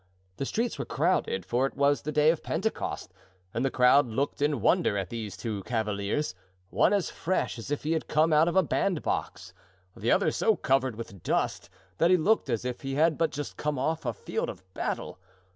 The streets were crowded, for it was the day of Pentecost, and the crowd looked in wonder at these two cavaliers; one as fresh as if he had come out of a bandbox, the other so covered with dust that he looked as if he had but just come off a field of battle.